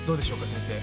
先生。